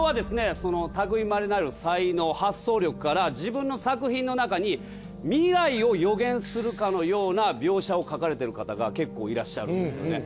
その類いまれなる才能発想力から自分の作品の中に未来を予言するかのような描写を描かれてる方が結構いらっしゃるんですよね。